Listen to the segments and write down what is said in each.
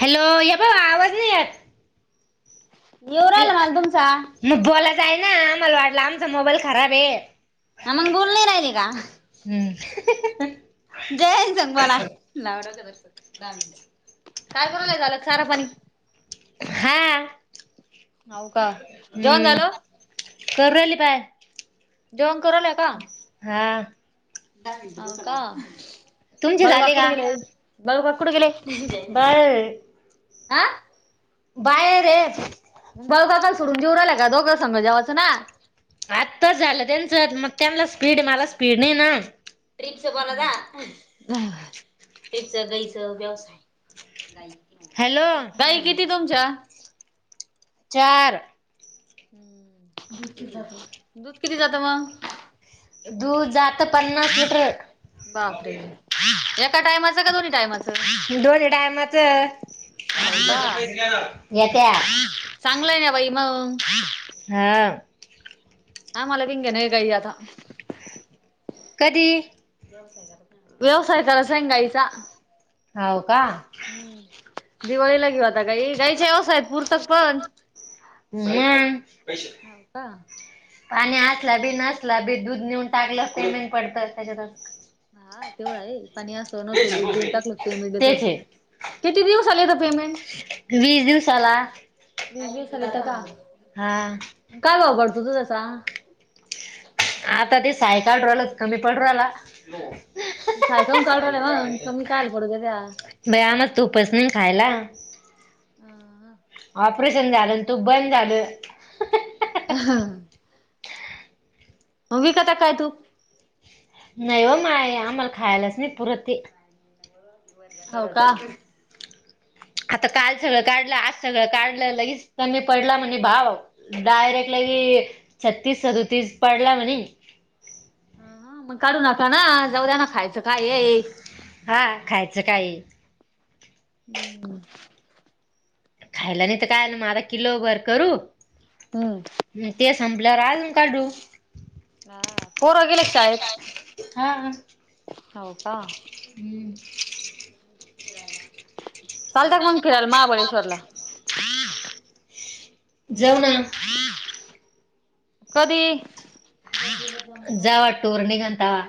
Hello ये भौ आवाज नई यत. येऊ राहिला मला तुमचा. हाई ना आम्हाला वाटलं आमचा मोबाईल खराब आहे. हा मग बोलू नाय राहिली का?? हं.. हं.. हं जया संग बोला.. [inaudible] दहा मिनिटं.. काय करू राहिले झालं चारा पाणी? हा हाऊ का जेवण हम्म. झालं? करू राहिली पाय. जेवण करू राहिल्या ये का? हा. हाव का तुमचे बाळू काका झाले कुठं का गेले? बाळू काका, कुठे गेले.. बर [inaudible] आ बाहेर येत. बाळू काकांना सोडून जेवू राहिले का... दोघं संघ जेवाचं ना. आत्ताच झालं त्यांच मग त्यांना स्पीड मला स्पीड नाही ना. ट्रीपचं बोलता ट्रीपच, गाईचं व्यवसाय. हॅलो गाई किती तुमच्या? चार. हम्म... दूध किती जातं मग? दूध जातं पन्नास लिटर. बापरे एका टायमाचं का दोन्ही टायमाचं. दोन टायमाच हो का येत्या चांगलंय ना बाई मग. हा. आम्हाला बी घेणार ये गाई आता. कधी? व्यवसाय करायचं ना गाईचा.. हाऊ का? हम्म दिवाळीला घेऊ आता घरी पण गाईच्या व्यवसायात पुरतंका? हं [inaudible] पाणी असला बी नसला बी दुध नेऊन टाकलं पेमेंट पडतं हा तेवढं आहे पाणी असो नसो दुध देऊन टाकलं पेमेंट येत तेच आहे. किती दिवसाले येतं पेमेंट वीस दिवसाला लय दिवसाला येत का हां तुझ का आता ते सायकाल राहिलंच कमी पडु लागला सायका कावटाला मग कमी ल पडू त्या त्या [inaudible] बैया आम तूपस नी खायला- ऑपरेशन झालं तुप बंद झालं- हं विकता काय तुप नाही व माय आम्हाला खायलाच नाही पुरत ते- होव का आता काल सगळं काढलं आज सगळं काढलं लगेच तर कमी पडला म्हणे भाव डायरेक्ट लगे ते छत्तीस सदुतीस पडला म्हणे- ह [inaudible] हा मग काढु नका ना जाऊ द्या ना खायचं काय ये हा खायचं काही हम्म [inaudible] खायला नाही तर काय म आता किलो भर करू- बरं ते संपल्यावर अजुन काढु हां पोर गेले का शाळेत हा - होव [inaudible] का हम्म. चालत मग फिरायला महाबळेश्वरला जेव ना- कधी- जावा टूर्नीघातावा-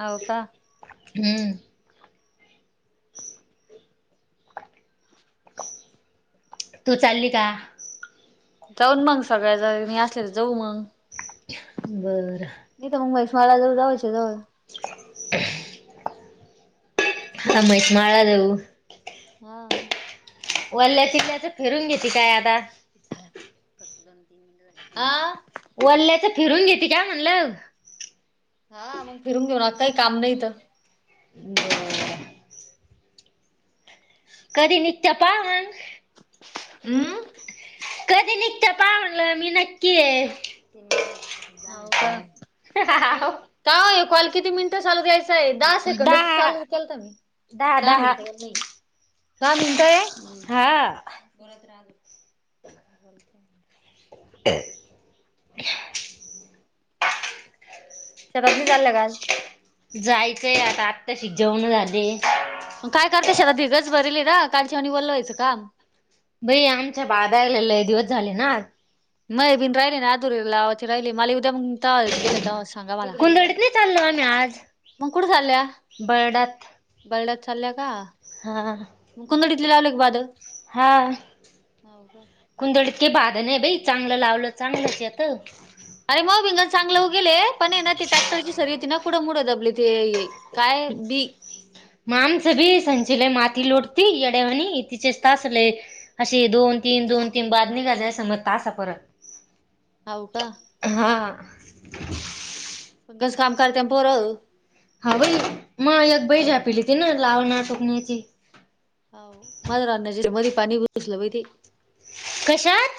होव का हं तु चालली का जाऊन मग सगळ्या जणी असल्या तर जाऊ मग- बरं- मला जाऊ जवळचे जवळ ह मही माळा देऊ [inaudible] हा- वल्ल्या [unintelligible] तिथल्या तर फिरून घेते काय आता फक्त दोन तीन मिट हा [inaudible] वल्ल्याचं फिरून घेते का म्हणलं हा मग फिरून घेऊन आता काही काम नाही तर बरं - कधी निघत्या पाहान हम्म- कधी निघत पाहा म्हनलं मी नक्की ये [unintelligible] का हो हे कॉल किती मिनिटं चालु द्यायचा [unintelligible] दहा सेकंड दहा चालु केलता मी दहा मिनट पण नाही दहा मिनिटं आहे, हा बोलत रहा. [unintelligible] शेतातं बी चालल्या का आज. जायचंय आता, आत्ता शि जेवणं झाले आहेत. काय करते शेतात भी गज भरी लीध, कालच्यावानी वल्ल व्हायचं काम बई आमच्या बादल ले लई दिवसं झाले नां. माया बीन राहिली ना अधुरी लावाची राहिली, माले येऊ द्या मग तव्हा गेले तव्हाचं कुठे नाही चालली कुंदडीत ना, चाललो आम्ही आज मग कुठं चालल्या बर्डात बरड्यात चालल्या का? कुंदडीतले लावले का भात. हां कुंदडीत की भात नाही बाई चांगलं लावलं चांगलच येत. अरे, मऊ भिंगल चांगलं ऊगेल हे पण हे ना ती ट्रॅक्टरची सर्वी ची ना कुठं मुड़ दबली ते ये. काय बी म आमचं भी संची लंय मात लोटती येड्यावाणी तिचे तासले असे दोन तीन दोन तीन बाद निघाले अस मरतात. सातपोरं. हो कां? कसं काम करत्यांन पोंर हां बई मग एक बाई झापेली तीनं लाव ना टूकण्याची हो माझ्या रानाची ईथं मध्ये पाणी घुसलं बई ते. कशात?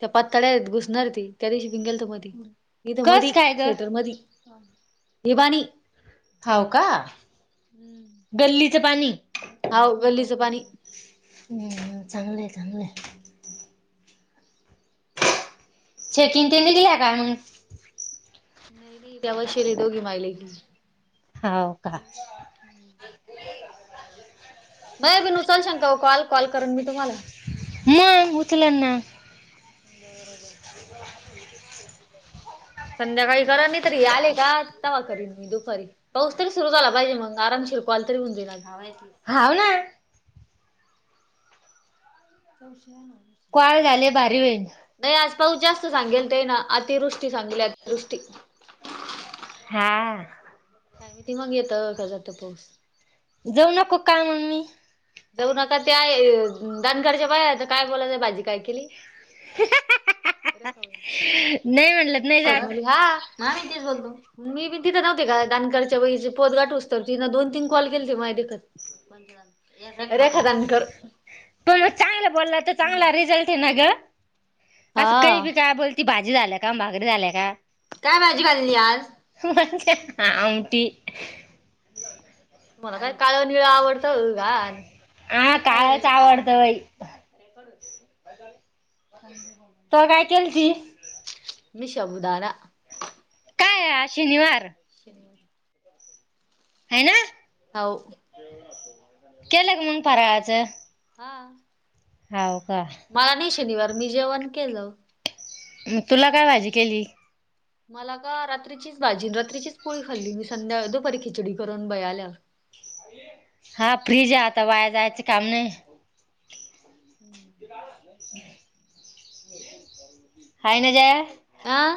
त्या पातळ्या आहेत घुसणार हे, ती त्या दिवशी पिउन गेलंथ तर मधी इथं कस मधी काय ग स्वेटर मधी [unintelligible] बानी हावं का! गल्लीचं पाणी हम्म हावं गल्लीच पाणी हम्म चांगलंय चांगलंय. चेकिंग त्यांनी दिल्या का मग? नाही नाही त्या बसेल हे दोघीं माय लेकी हो का. [unintelligible] मंय बीन उचलशाल कॉल, कॉल करन मी तुम्हाला मग उचलन ना बरोबर. संध्याकाळी करा मी कधी आले का तवा करीन मी दुपारी, पाऊस तरी सुरू झाला पाहिजे मग आराम कॉल तरी होउन जाईल जावयांना. हावं ना. तव. कॉल झाल्यवर भारी होईल. नाही आज पाऊस जास्त सांगेल तेना अतिवृष्टी सांगेल अतिवृष्टी. हां. काय माहीत मगं येतं का जातं पाऊस. जाऊ नको का मं मी? जाऊ नका त्या दानगडच्या बाया त काय बोलायल्या त काय भाजी काय केली. अरे नाही म्हणलत नाही जात [unintelligible] हा हा आम्ही बी तीच बोलतो. मी बी तिथे नव्हते का दान करायच्या वेळीस पोत गाठूचं तर तिने दोन तीन कॉल केलथें माझ्या देखत. रेखा दान कर- पण मग चांगला बोलला तर चांगला रिझल्ट आहे ना ग असं काही बी काय बोलती भाजी झाल्या का भाकरी झाल्या का? काय भाजी बांधली आज? आमटी [unintelligible] मला काय काळ निळ आवडतं घाण- हा काळच आवडतं बई. निषभुदादा. काय शनिवार? है ना. [inaudible] होऊ. [inaudible] हा [inaudible] हा मला नाही शनिवार मी जेवण केलं [inaudible] म तुला काय भाजी केली [inaudible] [inaudible] मला का रात्रीचीच भाजी रात्रीचीच पोळी खाल्ली मी संध्या दोपारी खिचडी करून बयाल्या [inaudible] [inaudible] हा फ्रीज आहे आता वाया जायच काम नाही. [inaudible] हयना ज [inaudible] आह.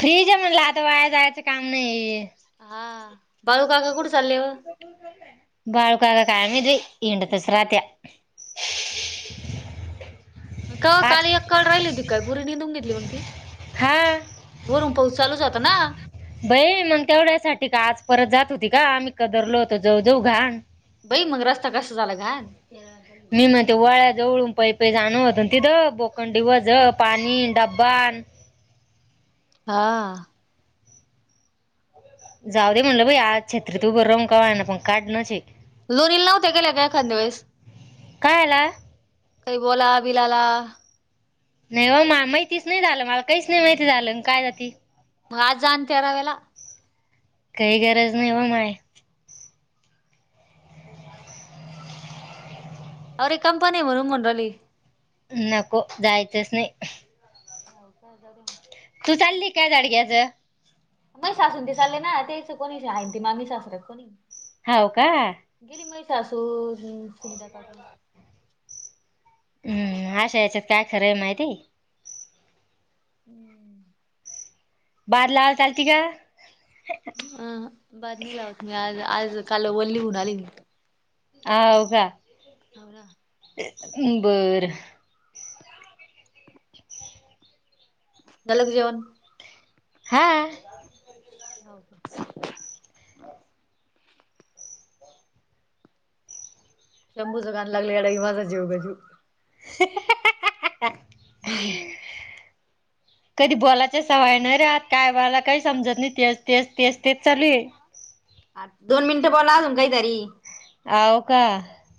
फ्रीज आहे म्हणलाता वाया जायचं काम नाही. [inaudible] हा बाळू काका कुट चालेल ओ. बाळू काका काय [inaudible] हिंडतच राहत्या का आज काली अक्काळ राहिली होती काय पुरी नेदून घेतली मग ती हा वरुण पाऊस चालुच होता ना बई मग तेवढ्यासाठी का आज परत जात होती का आम्ही कदरलो होतो जाऊ जाऊ घाण बाई मग रस्ता कस झाला घाल मी म ते वाळा्या जवळून पै पै जाण होत तिथं बोकंडी वझ पाणी डब्बा हा जाऊ दे म्हटलं बई आज छत्री तू बरं रमकावा ना पण काढणच लोनीला नव्हत्या गेल्या काय एखाद वळेस काय आला काही बोला बिलाला नाही हो म माहितीच नाही झालं मला काहीच नाही माहिती झालं काय जाती मग आत जा आणि त्या रव्याला काही गरज नाही हो माय अरे कंपनी म्हणून म्हण राली नको जायचंच नाही नाही का जा तू चालली काय जाडग्याचं मग सासून ते चाले ना तेच कोणी श आहे ती मामी सासरत कोणी होव का गेली मै सासू सुनिता काकू हम्म अशा याच्यात काय खरंय माहिती हम्म बाार ला आ चालते का अ बदमी लावत मी आज आज कालवलीहन आली म ह हो का होना बरं झालं का जेवण हा हो का शंभूचं गान लागलेल येडा ग माझा जीव ग जीव [inaudible] ह [inaudible] कधी बोलायच्या सवय नाही रे आ कायला काही समजत नाही ते तेच तेच तेच चालू दोन मिनिटं बोला तुम काही तरी अवका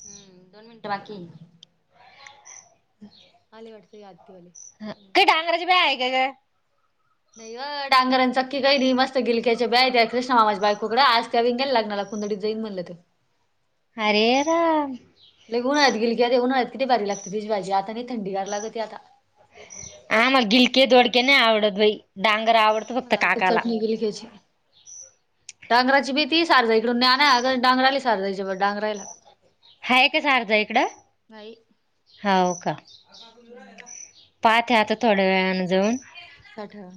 हम्म दोन मिनिटं बाकी हम् आले वाटत काय डांगराची ब्या आहे काय का नाही अ डांगरां चक्की काही नाही मस्त गिलक्याच्या ब्याय त्या कृष्णा मामां बायकोकड आज त्या विनंगायला लागणारला कोण डिझाइन म्हनलं ते अरेरा बल कि तेऊन आत किती भारी लागते ती भाजी आता नाही थंडी गार लागत आता क नाही आवडत बाई डांगर आवडत फक्त काकाला डगराची भीतीी सारजा इकडून ज्ञान आहे अग डगराली सारजायच्या. डांगरायला हा का सारज इकड नाही हो का. पाात ह आता थोड्या वेळान जाऊन. साठा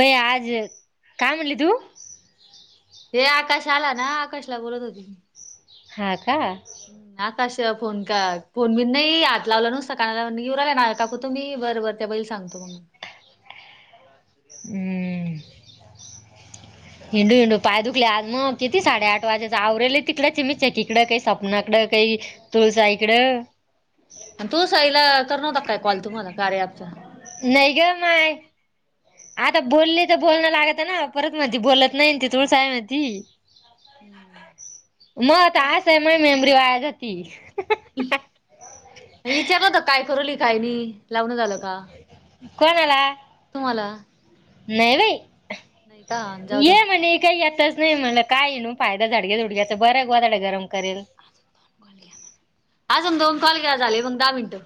भई आज काय म्हणली तू. हे आकाश आला ना आकाशला बोलत होते मी. हात. हम् आताशिवा फोन का फोन मी. नाही आत लावला नसता कानाऊला ना काकू तो मी बरबर त्या बै सांगतो म्हणून. अ्छ. हम्म. ह [inaudible] हिंडू हिंडू पाय दुखले आज मग किती साडे आठ वाजेच आवरेले तिकडडे च मचे तिकडडे काही सपनाकडे. काही तुळसा इकडं. आणि तू सईला कर नवता काय कॉल तुम्हाला कार्याचा. नाही का माय. आता बोलले तर बोलणं लागत ना परत मध्ये बोलत नाही ते तुळसाय म. हम्म. मत आ स आहे माी मेमरी वायाजती. विचारलंत काय करवली काय नाही. लावन झालं का कोणाला तुम्हाला. नाही बाई नाही का जाऊ द्या. ये म्हणे काय आताच. नाही म्हला काय न फायदा झाडग्या झुडग्याच बऱ्या गवा झाडला गरम. करेल आज मग दोन कॉल घ्या झाले मग दहा मिनिटं.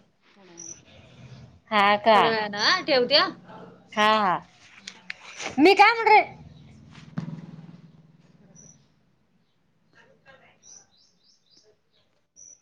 हा का थोड्या वेळानं हा ठेवते हा. हा हा. मी काय म्हण रे. [inaudible]